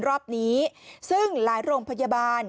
รอบนี้ซึ่งหลายโรงพยาบาล